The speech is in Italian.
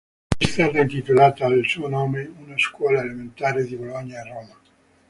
È stata intitolata al suo nome una scuola elementare di Bologna e Roma.